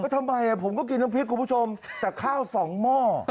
ทำไมผมก็กินน้ำพริกคุณผู้ชมแต่ข้าวสองหม้อ